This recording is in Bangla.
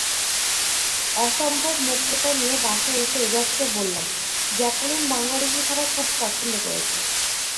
অসম্ভব মুগ্ধতা নিয়ে বাসায় এসে এজাজকে বললাম, জ্যাকুলিন বাংলাদেশি খাবার খুব পছন্দ করেছে।